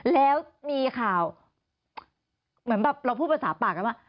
แล้วมีข่าวเหมือนแบบเราพูดภาษาปากกันว่า